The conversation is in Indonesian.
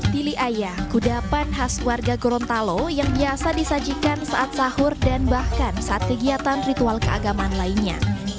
tili ayah kudapan khas warga gorontalo yang biasa disajikan saat sahur dan bahkan saat kegiatan ritual keagamaan lainnya